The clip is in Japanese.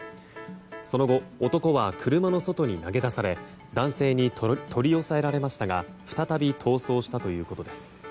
その後、男は車の外に投げ出され男性に取り押さえられましたが再び、逃走したということです。